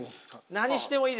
何してもいいです。